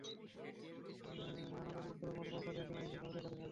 রানা দাশ গুপ্তের মতো প্রভাবশালী একজন আইনজীবী ভারতের কাছে সাহায্য চাচ্ছেন।